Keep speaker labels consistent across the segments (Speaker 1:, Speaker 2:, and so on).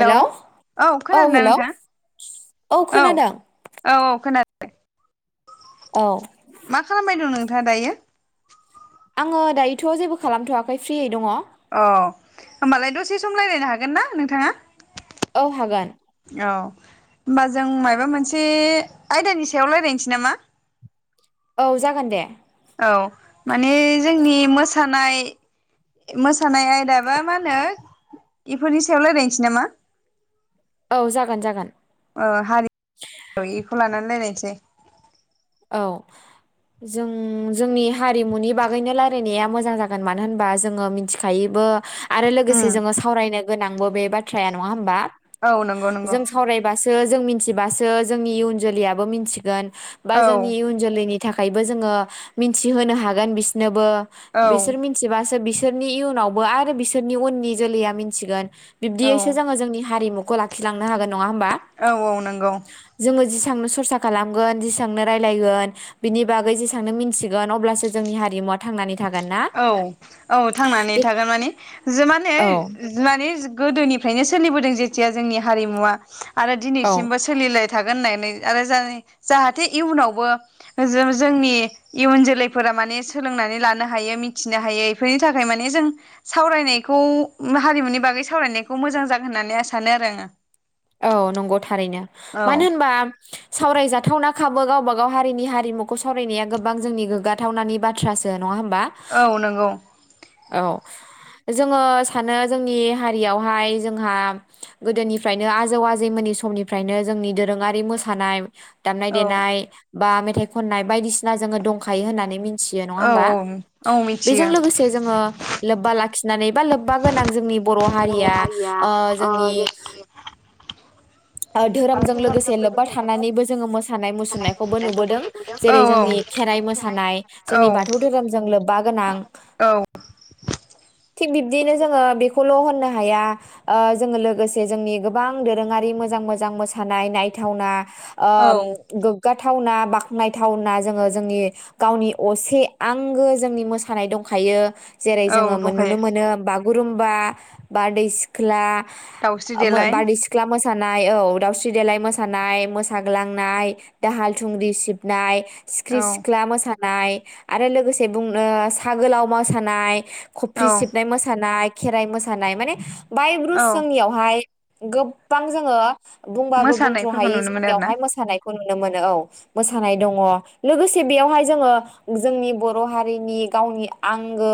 Speaker 1: Hello औ खोनादों ना नोंथांङा? औ औ औ खोना
Speaker 2: औ
Speaker 1: [unintelligible] मा खालामबाय दं नों हा दायो
Speaker 2: आङो दायोथ' जेबो खालामथ'वाखै फ्रियै दङ'।
Speaker 1: अ होमबालाय दसे सम रायज्लायनो हागोन ना नोंथांङा?
Speaker 2: औ हागोन।
Speaker 1: होमबा जों मायबा मोनसे आयदानि सायाव रायज्लायनोसै नामा?
Speaker 2: औ जागोन दे।
Speaker 1: औ माने जोंनि मोसानाय मोसानाय आयदाबा मा होनो इफोरनि सायाव रायज्लायनोसै नामा
Speaker 2: औ जागोन जागोन
Speaker 1: ओ हारि एखौ लानानै लायर से
Speaker 2: औ जों जोंनि हारिमुनि बागैनो रायलायनाया मोजां जागोन मानो होनबा जोङो मिथिखायोबो आरो लोगोसे
Speaker 1: उम
Speaker 2: जोङो सावरायनो गोनांबो बे बाथ्राया नङा होमबा?
Speaker 1: औ नंगौ नंगौ
Speaker 2: जों सावरायबासो जों मिथिबासो जोंनि इयुन जोलैयाबो मिथिगोन बा
Speaker 1: औ
Speaker 2: जोंनि इयनुन जोलैनि नि थाखायबो जोङो मिथिहोनो हागोन बिसिनोबो
Speaker 1: औ
Speaker 2: बिसोर मिथिबासो बिसोर बिसोरनि इयुनावबो आरो बिसोरनि उननि जोलैया मिथिगोन।
Speaker 1: औ
Speaker 2: बिब्दियैसो जोङो जोंनि हारिमु खौ लाखिलांनो हागोन। नङा होनबा?
Speaker 1: औ औ नंगौ
Speaker 2: जोंङो जिसिबांनो सरसा खालामगोन जिसि बेसेबांनो रायलायगोन बिनि बागै जेसेबांनो मिथिगोन अब्लासो जोंनि हारिमुवा थांनानै थागोन ना
Speaker 1: औ औ थांनानै
Speaker 2: बे
Speaker 1: थागोन माने जिमाने
Speaker 2: औ
Speaker 1: माने गोदोनिफ्रायनो सोलिबोदों जेथिया जोंनि हारिमुवा आरो
Speaker 2: औ
Speaker 1: दिनैसिमबो सोलिलाय थागोन होननानै जाय जाहाथे इयुनावबो जोंनि इयुन जोलैफोरा माने सोलोंनानै लानो हायो मिथिनो हायो इफोरनि थाखाय माने जों सावरायनायखौ हारिमुनि बागै सावरायनायखौ मोजां जागोन होननानै आं सानो आरो आङो।
Speaker 2: औ नंगौ थारैनो मानो होनबा सावरायजाथावना खाबो गावबा गाव हारिनि हारिमुखौ सावरायनाया गोबां जोंनि गोग्गाथावनानि बाथ्रासो नङा होमबा?
Speaker 1: औ नंगौ
Speaker 2: औ। जोङो सानो जोंनि हारियावहाय जोंहा गोदोनिफ्राय नो आजौ आजैमोननि समनिफ्रायनो जोंनि दोरोङारि मोसानाय दामनाय
Speaker 1: औ
Speaker 2: देनाय बा मेथाइ खननाय बायदिसिना जोङो दंखायो होननानै मिन थियो नङा होनबा?
Speaker 1: औ औ
Speaker 2: बेजों
Speaker 1: मिथियो
Speaker 2: लोगोसे जोङो लोब्बा लाखि नानै बा लोब्बा गोनां जोंनि बर' हारिया ओ जोंनि ओ धोरोमजों लोगोसे लोब्बा थानानैबो जोङो मोसानाय मुसुरनायखौबो नुबोदों
Speaker 1: औ
Speaker 2: जेरै जोंनि खेराइ मोसानाय
Speaker 1: औ
Speaker 2: जोंनि बाथौ धोरोमजों लोब्बा गोनां
Speaker 1: औ
Speaker 2: थिग बिब्दिनो जोङो बेखौ ल' होननो हाया ओ जोङो लोगोसे जोंनि गोबां दोरोङारि मोजां मोजां मोसानाय नायथावना ओ
Speaker 1: औ
Speaker 2: गोग गोग्गाथावना बाख्नायथावना जोङो जोंनि गावनि असे आंगो जोंनि मोसानाय दंखायो। जेरै जोङो
Speaker 1: औ
Speaker 2: मोन
Speaker 1: दंखायो
Speaker 2: नुनो मोनो बाग गुरुबा, बारदै सिख्ला
Speaker 1: दाउस्रि
Speaker 2: ओ मो
Speaker 1: देलाय
Speaker 2: बारदै सिख्ला मोसा सानाय औ दावस्रि देलाय मोसानाय, मोसाग्लांनाय, दाहाल थुंग्रि सिबनाय, सिख्रि
Speaker 1: औ
Speaker 2: सिख्ला मोसा नाय आरो लोगोसे बुंनो साहा गोलाव मोसानाय
Speaker 1: औ
Speaker 2: खफ्रि सिबनाय मोसानाय खेराइ मोसानाय माने बाय
Speaker 1: औ
Speaker 2: ब्रुस जोंनियावहाय गोबबां जोङो बुंबाबो बुंथ्र'
Speaker 1: मोसानायफोरखौ
Speaker 2: हायि
Speaker 1: नुनो मोनो आरो ना
Speaker 2: जोंनियावहाय मोसानायखौ नु नुनो मोनो औ मोसानाय दङ, लोगोसे बेयावहाय जोङो जोंनि बर' हारिनि गावनि आंगो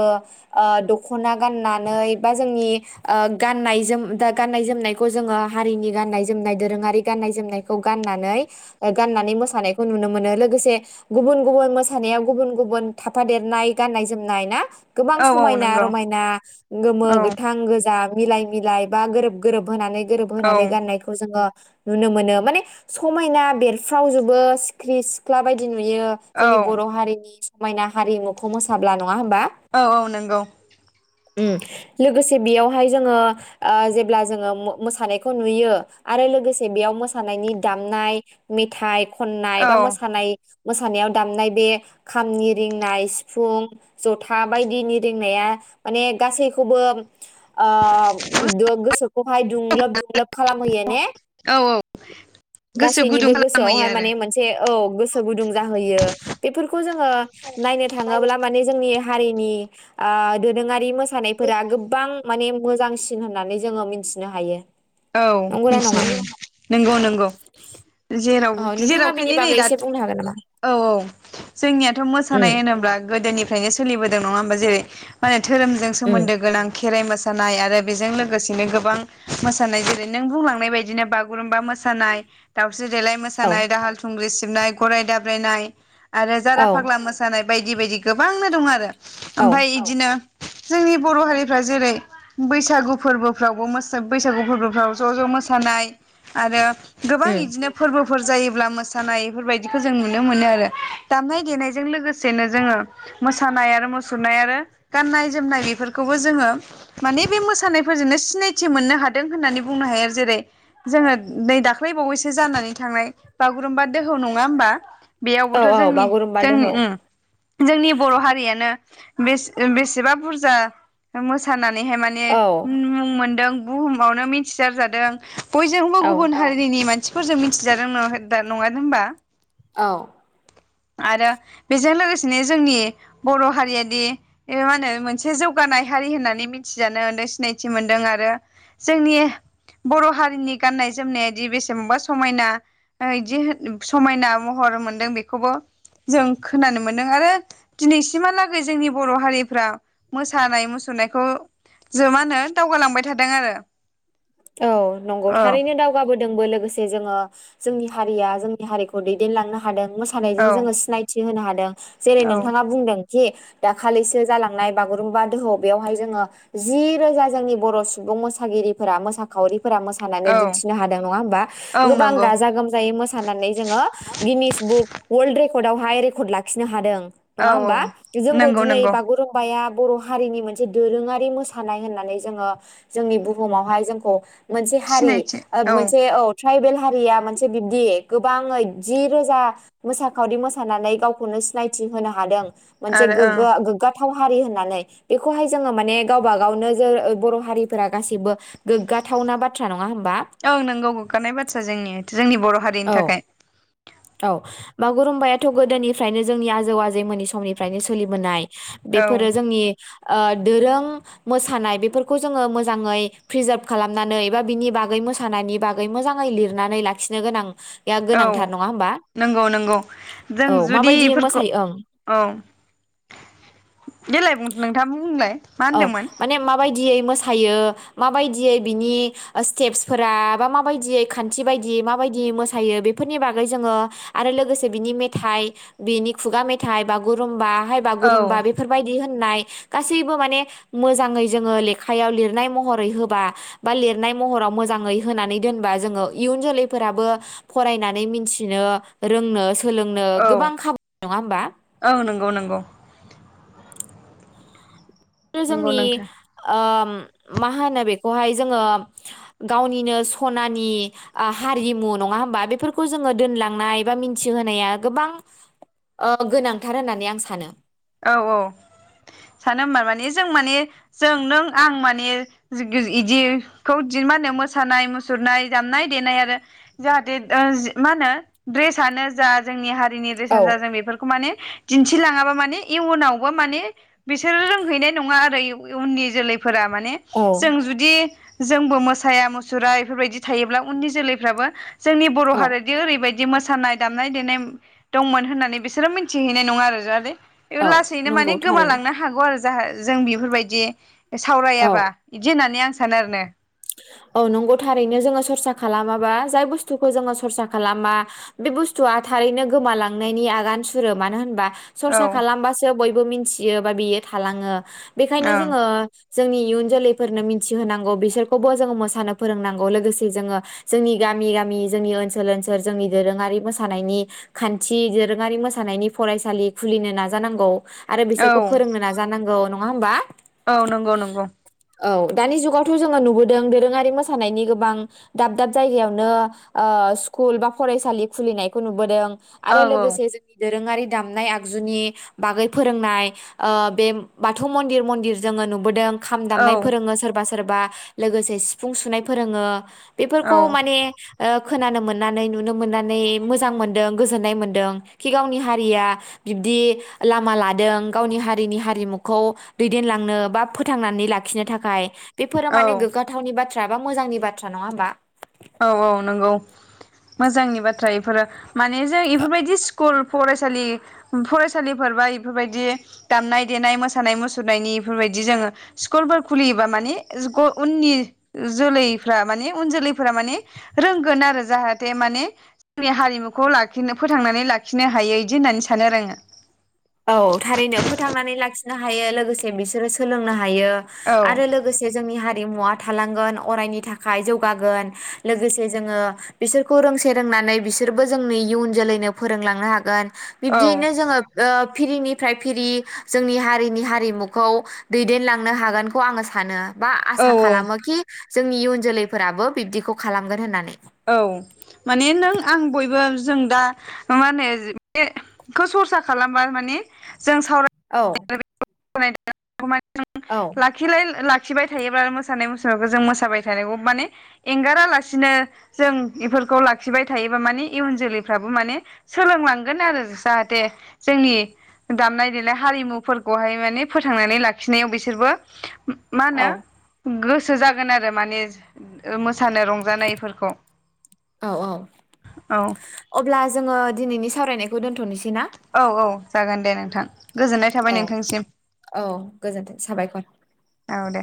Speaker 2: ओ दखना गाननानै बा जोंनि ओ गाननाय जोम दा गाननाय जोम जोमनायखौ जोङो हारिनि गाननाय जोमनाय दोरोङारि गाननाय जोमनायखौ गाननानै-गाननानै मोसानायखौ जों नुनो मोनो लोगोसे गुबुन-गुबुन मोसानायाव गुबुन -गुबुन थाफादेरनाय गाननाय जोमनाय ना गोबां
Speaker 1: औ औ
Speaker 2: समायना
Speaker 1: नंगौ
Speaker 2: रमायना गोमो
Speaker 1: औ
Speaker 2: गोथां गोजा मिलाय मिलाय बा गोरोब गोरोबहोनानै
Speaker 1: औ
Speaker 2: गोरोबहानै गाननायखौ जोङो नुनो मोनो माने समायना बेरफ्रावजोबो सिख्रि सिख्ला बायदि नु नुयो
Speaker 1: औ
Speaker 2: जोंनि बर हारिनि समायना हारिमुखौ मोसाब्ला नो नङा होनबा?
Speaker 1: औ औ नंगौ
Speaker 2: ओम लो लोगोसे बेयावहाय जोङो आ जे अब्ला जोङो मो-मोसानायखौ नुयो आरो लोगोसे बेयाव मोसानायनि दामनाय मेथाइ खननाय
Speaker 1: औ
Speaker 2: बा मोसानाय मोसानायाव दामनाय बे खामनि रिंनाय, सिफुं, जथा बायदिनि रिंनाया माने गासैखौबो आ [unintelligible] गो सोखौहाय दुंलोब दुंलोब खालामहोयो ने?
Speaker 1: औ गोसो गुदुं
Speaker 2: गासैनिबो
Speaker 1: खालामहैयो
Speaker 2: गोसोआवहाय
Speaker 1: आरो
Speaker 2: माने मोनसे औ गोसो गुदुं जाहोयो। बेफोर बेफोरखौ जोङो नायनो थाङोब्ला माने जोंनि हारिनि आ दोरोङारि मोसा नायफोरा गोबां माने मोजांसिन होननानै जोङो मिथिनो हायो।
Speaker 1: औ
Speaker 2: नंगौना
Speaker 1: मिथिनो
Speaker 2: नङा
Speaker 1: नंगौ, नंगौ जेराव
Speaker 2: औ नोंथाङा बेनि
Speaker 1: जेरावखायनो नै
Speaker 2: बागै एसे
Speaker 1: दाथ'
Speaker 2: बुंनो हागोन नामा
Speaker 1: औ, औ जोंनियाथ'
Speaker 2: उम
Speaker 1: मोसानाय होनोब्ला गोदोनिफ्रायनो सोलिबोदों नङा होमबा? जेरै माने धोरोमजों
Speaker 2: उम
Speaker 1: सोमोन्दो गोनां खेराइ मोसानाय आरो बेजों लोगोसेनो गोबां मोस सानाय जेरै नों बुंलांनाय बायदिनो बागुरुम्बा मोसानाय दाव स्रि देलाय,
Speaker 2: औ
Speaker 1: मोसानाय दाहाल थुंग्रि सि सिबनाय, गराय दाब्रायनाय आरो जारा
Speaker 2: औ
Speaker 1: फाग्ला मोसानाय बायदि बायदि गोबांनो दं आरो
Speaker 2: औ
Speaker 1: ओमफ्राय इदिनो जोंनि बर' हारिफ्रा जेरै बैसागु फोरबोफ्रावबो मोसा बैसागु फोरबोफ्राव ज, ज मोसानाय आरो गोबां
Speaker 2: उम
Speaker 1: इदिनो फोरबो फोर जायोल्बा मोसानाय बेफोर बायदिखौ जों नुनो मोनो आरो। दामनाय देनायजों लोगोसेनो जोङो मोसानाय आरो मुुरनाय आरो गाननायनाय जोमनाय इफोरखौबो जोङो माने मोसानायफोरजोंनो सिनायथि मोन्नो हा दों होननानै बुंनो हायो जेरै जोङो नै दाख्लैबावैसो जानानै थांनाय बागुरुम्बा दोहौ नङा होमबा
Speaker 2: औ
Speaker 1: बेयावबोथ
Speaker 2: औ
Speaker 1: जोंनि ओम
Speaker 2: बागुरुम्बा
Speaker 1: जोंनि
Speaker 2: दोहौ
Speaker 1: जोंनि बर'हारियानो। बेसे बेसेबा बुरजा मोसाना नैहाय माने
Speaker 2: औ
Speaker 1: मुं मुं मोनदों। बुहु मावनो मिथिसार जादों। बयजोंबो
Speaker 2: औ
Speaker 1: गुबुन हारिनि मान खाथिफोरजों मिथिजादों दा नङादों होनबा।
Speaker 2: औ।
Speaker 1: आरो बेजों लोगोसेनो जोंनि बर' हारियाद मा होनो मोनसे जौगानाय हारि होननानै मिथिजानो मोनदों सिनायथि मोनदों आरो जोंनि बर'हारिनि गाननाय जोमनायाद बेसेबांबा समायना बिदि समायना महर मोनदों बेखौबो जों खोनानो मोनदों आरो दिनैसिमहालागै जोंनि बर' हारिफ्रा मोसानाय मुसुरनायखौ ज मा होनो दावगालांबाय थादों आरो।
Speaker 2: औ नंगौ
Speaker 1: औ
Speaker 2: थारैनो दावगाबोदोंबो लोगोसे जोङो। जोंनि हारिया जोंनि हारिखौ दैदेनलांनो हादों। मोसानायजों
Speaker 1: औ
Speaker 2: जोङो सिनायथि। हादों। जेरै
Speaker 1: औ
Speaker 2: नोंथाङा बुंदों। जे दाखालिसो जालांनाय बागुरुम्बा दोहौ बेयावहाय जोङो जि रोजा जोंनि बर' सुबुं मोसागिरिफोरा मोसाखावरि मोसानानै
Speaker 1: औ
Speaker 2: दिन्थिनो हादों नङा हबा
Speaker 1: ओं
Speaker 2: गोबां
Speaker 1: नंगौ
Speaker 2: गाजा गोमजायै मोसानानै जोङो Guinness book world record आआवहाय रेकर्ड लाखिनो हादों।
Speaker 1: औ
Speaker 2: नङा
Speaker 1: औ
Speaker 2: होमबा जोंखौ
Speaker 1: नंगौ
Speaker 2: दिनै
Speaker 1: नंगौ
Speaker 2: बागुरुम्बाया। बर'हारिनि मोनसे दोरोङारि मोसानाय होननानै जोङो जोंनि बुहुमावहाय जों अ। मोनसे हारि मोनसे औ। ट्राइबेल हारिया मोनसे बिब्दि गोबाङै जि रोजा मोसाखावरि मोसानानै गावखौनो सिनायथि होनो हादों। मोनानसे
Speaker 1: आरो ओं
Speaker 2: गोग्गा। बाथाव हारि होननानै बेखौहाय जोङो माने गावबा गावनो ज बर' हारिफोरा गासैबो। गोग्गाथावना बाथ्रा नङा होमबा
Speaker 1: औ नोंगौ गोगानाय बाथ्रा जोंनिया जोंनि बर' हारिनि
Speaker 2: औ
Speaker 1: थाखाय।
Speaker 2: औ बागुरुम्बायाथ गोदोनिफ्रायनो जोंनि आजौ आजैमोननि समनिफ्रायनो सोलिबोनाय।
Speaker 1: औ
Speaker 2: बेफोरो जोंनि। दोरों मोसानाय बेफोरखौ जोङो मोजाङै प्रिजार्भ खालामनानै एबा बिनि बागै मोसानायनि बागै मोजाङै लिरनानै लाखिनो गोनां। [inaudible]
Speaker 1: औ
Speaker 2: नङा होमबा
Speaker 1: नंगौ नंगौ जों
Speaker 2: औ
Speaker 1: जुदि
Speaker 2: माबायदि
Speaker 1: बेफोरखौ
Speaker 2: मोसायो ओं
Speaker 1: औ देलाय बुं नोंथां बुंलाय। मा
Speaker 2: औ
Speaker 1: होनदोंमोन
Speaker 2: माने माबा माबायदियै मोसायो माबायदियै बिनि स्टेप्सफोरा बा माबायदियै खान्थि बायदि माबायदियै मोसायो बेफोरनि बागै जोङो आरो लोगोसे बिनि मेथाइ बिनि खुगा मेथाइ बागुरुम्बा। हाय
Speaker 1: औ
Speaker 2: बागुरुमबा बेफोरबायदि होन नाय गासै बो माने मोजाङै जोङो लेखायाव लिरनाय महरै होबा बा लिरनाय महराव मोजाङै होनानै दोनबा जोङो इउन जोलैफोराबो फरायनानै मोनथिनो रोंनो सोलोंनो
Speaker 1: औ
Speaker 2: गोबां खाबु नङा होमबा?
Speaker 1: औ नंगौ नंगौ
Speaker 2: [unintelligible]
Speaker 1: नंगौ
Speaker 2: जोंनि
Speaker 1: नोंथां
Speaker 2: ओम मा होनो बेखौहाय जोङो गावनिनो स'नानि आ हारिमु नङा होमबा बेफोरखौ जोङो दोनलांनाय बा मिन्थिहोनाया गोबां ओ गोनांथार होननानै आं सानो।
Speaker 1: औ औ सानो होमबा माने जों माने जों नों आं माने जिग गिज इदि खौ मा होनो मोसानाय मुसुरनाय दामनाय देनाय आरो जाहाथे ओ ज मा होनो ड्रेसानो जा जोंनि हार जोंनि
Speaker 2: औ
Speaker 1: द्रेसानो जा जों बेफोरखौ माने दिन्थिलाङाबा माने इयुनावबो माने बिसोरो रोंहैनाय नङा आरो इउ बै उननि जोलैफ फोरा माने
Speaker 2: औ
Speaker 1: जों जुदि जोंबो मोसाया मुसुरा इफोरबायदि थायोब्ला उननि जोलैफ्राबो जोंनि बर
Speaker 2: औ
Speaker 1: हारियादि ओरैबायद दि मोसानाय दामनाय देनाय दंमोन होननानै बिसोरो मोनथिहैनाय नङा आरो जाहादे ओ
Speaker 2: औ
Speaker 1: लासैनो
Speaker 2: नंगौ
Speaker 1: माने
Speaker 2: थारैनो
Speaker 1: गोमालांनो हागौ आरो ज जाहो जों बिफोरबायदि
Speaker 2: औ
Speaker 1: सावरायाबा इदि होननानै आं सानो ओरनो
Speaker 2: औ नंगौ थारैनो जोङो सरसा खालामाबा जाय बुस्थुखौ जोङो सरसा खालामा बे बुस्थुआ थारैनो गोमालांनायनि आगान सुरो मानो होनबा सरसा खालामबासो बयब बो मिन्थियो बा बेयो थालाङो। बेखायनो जोंङो जोंनि इयुन जोलैफोरनो मिथिहोनांगौ बिसोर खौबो जोङो मोसानो फोरोंनांगौ लोगोसे जोङो जोंनि गामि गामि जोंनि ओनसोल ओनसोल जोंनि दोरोङारि मोसानायनि खान्थि दोरोङारि मोसानायनि फरायसालि खुलिनो नाजानांगौ। आरो
Speaker 1: औ
Speaker 2: बिसोरखौ
Speaker 1: ओं
Speaker 2: फोरोंनो नाजानांगौ नं नङा होमबा?
Speaker 1: औ नंगौ नंगौ।
Speaker 2: औ दानि जुगावथ' जोंङो नुबोद दों दोरोङारि मोसानायनि गोबां दाब दाब जायगायावनो ओ स्कुल बा फरायसालि खुलिनायखौ नुबोदों।
Speaker 1: औ
Speaker 2: आरो
Speaker 1: औ
Speaker 2: लोगोसे जोंनि दोरोङारि दामनाय आगजुनि बागै फोरोंनाय ओ बे बाथौ मन्दिर मन्दिर जोङो नुबोदों। खाम
Speaker 1: औ
Speaker 2: दामनाय फोरोङो सोरबा सो सोरबा लोगोसे सिफुं सुनाय फोरोङो
Speaker 1: औ
Speaker 2: बेफोरखौ माने ओ खोनानो मोननानै नुनो मोननानै मोजां मोनदों गोजोननाय मोनदों खि गावनि हारिया बिब्दि लामा लादों गावनि हारिनि हारिमुखौ दैदेनलांनो बा फोथांनानै लाखिनो थाखाय बेफोरो
Speaker 1: औ
Speaker 2: माने गोग नि बाथ्रा बा मोजांनि बा नङा होनबा?
Speaker 1: औ औ नंगौ मोजांनि बाथ्रा इफोरो। माने जों इफोरबायदि स्कुल फरायसालि फरायसालिफोरबा इफोरबायदि दामनाय देनाय मोसानाय मुसुरनायनि बेफोरबायदि जोङो स्कुलफोर खुलियोबा माने ज-ग उननि जोलैफ्रा माने उन जोलै फोरा माने रोंगोन आरो जाहाथे माने जोंनि हारिमुखौ लाखिनो फोथांनानै लाखिनो हायो इदि होननानै सानो आरो आंङो।
Speaker 2: औ थारैनो फोथांनानै लाखिनो हायो लोगोसे बिसोरो सोलोंनो हा हायो
Speaker 1: आङो
Speaker 2: आरो लोगोसे जोंनि हारि हारिमुवा थालांगोन अरायनि थाखाय जौगागोन लोगोसे जोङो बिसोरखौ रोंसे रोंनानै बिसोरबो जोंनि इयुन जोलैनो फोरोंलांनो हागोन।
Speaker 1: औ
Speaker 2: बिब्दियैनो जोङो ओ फिरिनिफ्राय फिरि जोंनि हारिनि हारिमुखौ दैदेनलांनो हागोनखौ आङो सानो। बा
Speaker 1: औ
Speaker 2: आसा खालामो कि जोंनि इयुन जोलैफोराबो बिब्दिखौ खालामगोन होननानै।
Speaker 1: औ माने नों आं बयबो जों दा मा होनो-बेखौ सरसा खालामबा माने जों
Speaker 2: औ
Speaker 1: सावराय [unintelligible] [unintelligible] [unintelligible]
Speaker 2: औ
Speaker 1: लाखिलाय ला लाखिबाय थायोब्ला मोसानाय मुसुरनायखौ जों मोसाबाय थानायखौ माने एंगारालासिनो जों बेफोरखौ लाखिबाय थायोबा माने इयुन जोलैफ्राबो माने सोलोंलांगोन आरो जाहाथे जोंनि दामनाय देनाय हारिमुफोरखौहाय माने फोथांनानै लाखिनायाव बिसोरबो मा होनो
Speaker 2: औ
Speaker 1: गोसो गोसो जागोन आरो माने ओ मोसानो रंजानायफोरखौ
Speaker 2: औ औ
Speaker 1: औ
Speaker 2: अब्ला जोङो दिनैनि सावरायनायखौ खौ दोनथनोसै। ना
Speaker 1: औ औ। जागोन दे नोंथां। गोजोननाय थाबाय
Speaker 2: औ
Speaker 1: नोंथांसिम
Speaker 2: औ गोजोनथों साबायखर।
Speaker 1: औ दे।